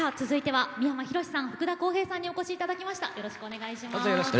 続いて三山ひろしさん福田こうへいさんにお越しいただきました。